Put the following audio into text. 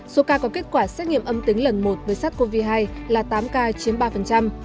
số ca có kết quả xét nghiệm âm tính lần một với sars cov hai là tám ca chiếm ba